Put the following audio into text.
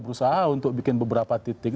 berusaha untuk bikin beberapa titik